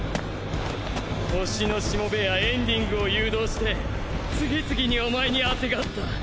星のしもべやエンディングを誘導して次々におまえにあてがった。